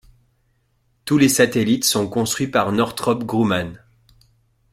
Tous les satellites sont construits par Northrop Grumman.